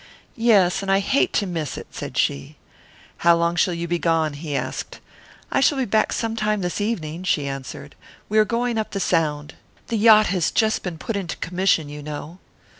"Yes, and I hate to miss it," said she. "How long shall you be gone?" he asked. "I shall be back sometime this evening," she answered. "We are going up the Sound. The yacht has just been put into commission, you know."